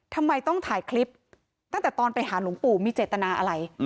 ทำไมต้องถ่ายคลิปตั้งแต่ตอนไปหาหลวงปู่มีเจตนาอะไร